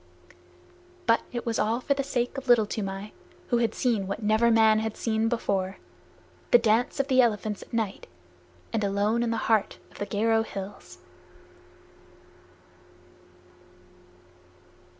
But it was all for the sake of Little Toomai, who had seen what never man had seen before the dance of the elephants at night and alone in the heart of the Garo hills!